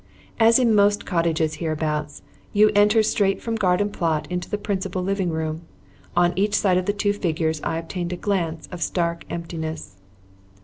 As in most cottages hereabouts, you entered straight from garden plot into the principal livingroom. On each side of the two figures I obtained a glimpse of stark emptiness.